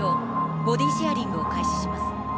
ボディシェアリングを開始します。